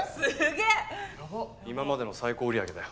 今までの最高売り上げだよ。